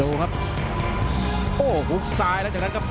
โอ้โฮโอ๊ต้องหากให้จะหล่อครับ